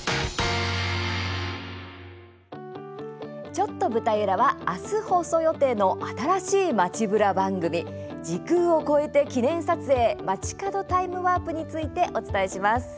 「ちょっと舞台裏」は明日、放送予定の新しい街ブラ番組「時空を超えて記念撮影まちかどタイムワープ」について、お伝えします。